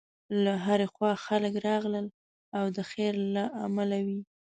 له هرې خوا خلک راغلل او د خیر له امله وې.